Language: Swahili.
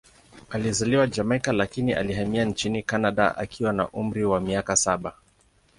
Alizaliwa Jamaika, lakini alihamia nchini Kanada akiwa na umri wa miaka saba.